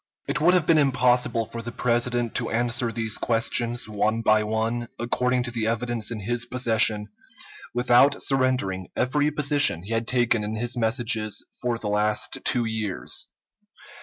It would have been impossible for the President to answer these questions, one by one, according to the evidence in his possession, without surrendering every position he had taken in his messages for the last two years.